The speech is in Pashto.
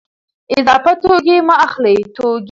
اضافي توکي مه اخلئ.